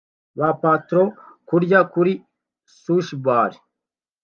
Ba patron kurya kuri sushi bar